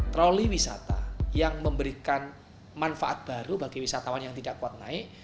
troli wisata yang memberikan manfaat baru bagi wisatawan yang tidak kuat naik